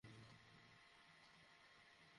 চোখে মনে হয় চুল গেছে।